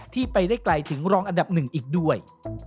ที่ไปได้ไกลถึงรองอันดับหนึ่งอีกด้วย